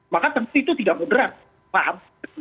maka tentu itu tidak moderat paham